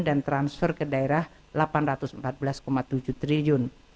dan transfer ke daerah rp delapan ratus empat belas tujuh triliun